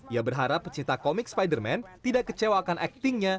ia berharap pencipta komik spider man tidak kecewakan aktingnya